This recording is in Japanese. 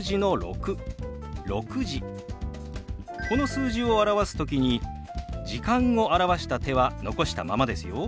この数字を表す時に「時間」を表した手は残したままですよ。